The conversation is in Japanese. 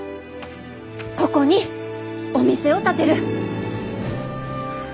ここにお店を建てる。